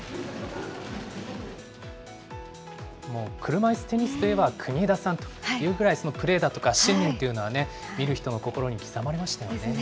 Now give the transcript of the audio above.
車いすテニスといえば、国枝さんというくらい、プレーだとか、信念というのはね、見る人の心に刻まれましたよね。